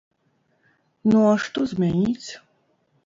Ну, а што змяніць?